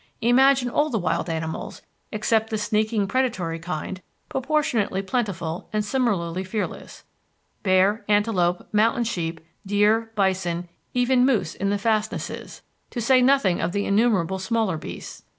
Imagine all the wild animals, except the sneaking, predatory kind, proportionally plentiful and similarly fearless bear, antelope, mountain sheep, deer, bison, even moose in the fastnesses, to say nothing of the innumerable smaller beasts.